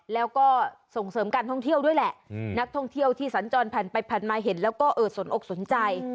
แล้วก็ส่งเสริมการท่องเที่ยวด้วยแหละนักท่องเที่ยวที่สัญจรผ่านไปผ่านมาเห็นแล้วก็เออสนอกสนใจ